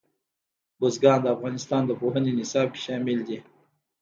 بزګان د افغانستان د پوهنې نصاب کې شامل دي.